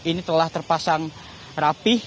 ini telah terpasang rapih